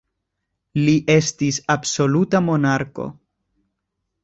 Li estis absoluta monarko.